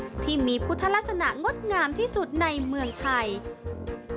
แต่ละวันค่ะก็จะมีประชาชนะอันงามที่เดินทางไปสักการะพระพุทธชินราช